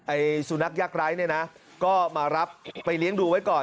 สุนัขยากไร้เนี่ยนะก็มารับไปเลี้ยงดูไว้ก่อน